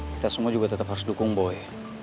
kita semua juga tetap harus dukung boy